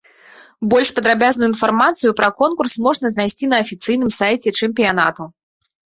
Больш падрабязную інфармацыю пра конкурс можна знайсці на афіцыйным сайце чэмпіянату.